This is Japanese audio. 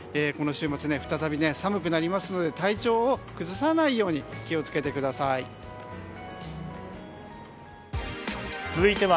この週末、再び寒くなりますので体調を崩さないよう気を付けてください。